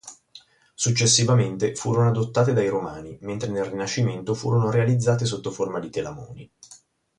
Successivamente furono adottate dai Romani, mentre nel Rinascimento furono realizzate sotto forma di telamoni.